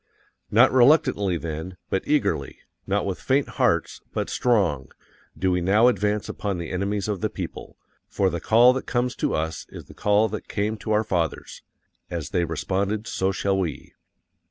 NOT RELUCTANTLY THEN, but eagerly_, not with _faint hearts BUT STRONG, do we now advance upon the enemies of the people. FOR THE CALL THAT COMES TO US is the call that came to our fathers_. As they responded so shall we.